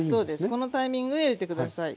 このタイミングで入れて下さい。